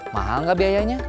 mahal gak biayanya